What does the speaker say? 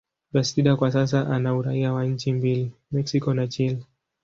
Bastida kwa sasa ana uraia wa nchi mbili, Mexico na Chile.